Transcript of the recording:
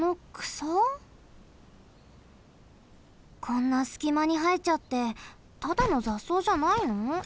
こんなすきまにはえちゃってただのざっそうじゃないの？